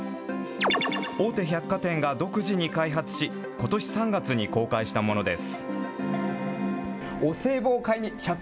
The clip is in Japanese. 大手百貨店が独自に開発し、ことし３月に公開したものです。